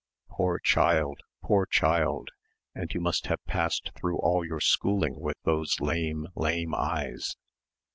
"Poor child, poor child, and you must have passed through all your schooling with those lame, lame eyes